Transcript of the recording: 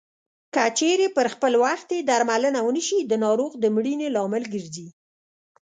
که چېرې پر خپل وخت یې درملنه ونشي د ناروغ د مړینې لامل ګرځي.